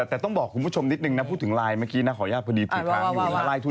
แต่ต้องบอกคุณผู้ชมนิดนึงนะพูดถึงไลน์เมื่อกี้นะขออนุญาตพอดีติดค้างอยู่